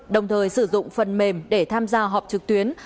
đồng thời sử dụng phần mềm để tham gia họp trực tuyến